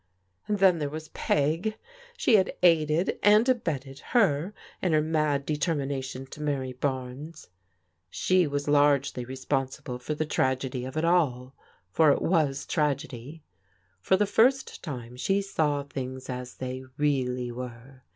And then there was Peg. She had aided and abetted her in her mad determination to marry Barnes. She was largely responsible for the tragedy of it all, for it was tragedy. For the first time she saw things as they really were.